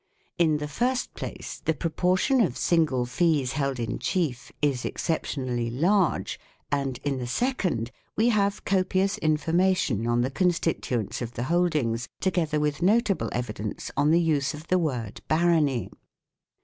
In the first place, the proportion of single fees held in chief is exception ally large, and, in the second, we have copious informa tion on the constituents of the holdings together with notable evidence on the use of the word "barony".